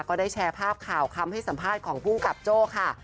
ก็ได้แชร์ภาพข่าวคำให้สัมภาษณ์ของภูมิกับโจ้ค่ะ